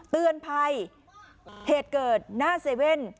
เตือนภัยเหตุเกิดหน้าเซเว่น